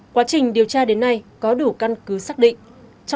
quá trình điều tra đến nay có đủ căn cứ xác định